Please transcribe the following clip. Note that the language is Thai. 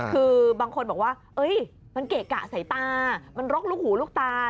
คือบางคนบอกว่ามันเกะกะสายตามันรกลูกหูลูกตา